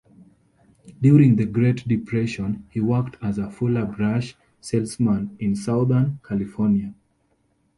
During the Great Depression, he worked as a Fuller Brush salesman in southern California.